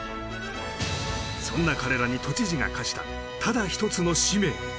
そんな彼らに都知事が課したただ一つの使命